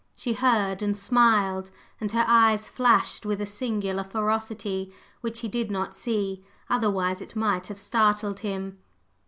She heard, and smiled; and her eyes flashed with a singular ferocity which he did not see, otherwise it might have startled him.